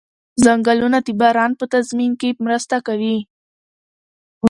ځنګلونه د باران په تنظیم کې مرسته کوي